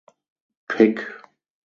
Pick.